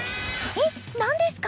えっなんですか！？